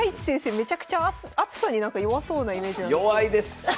めちゃくちゃ熱さになんか弱そうなイメージなんですけど。